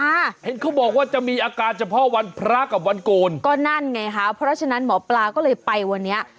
เห็นเขาบอกว่าจะมีอาการเฉพาะวันพระกับวันโกนก็นั่นไงคะเพราะฉะนั้นหมอปลาก็เลยไปวันนี้